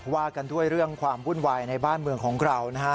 ว่ากันด้วยเรื่องความวุ่นวายในบ้านเมืองของเรานะฮะ